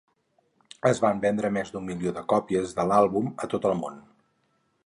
Es van vendre més d'un milió de còpies de l'àlbum a tot el món.